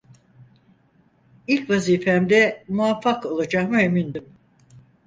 İlk vazifemde muvaffak olacağıma emindim.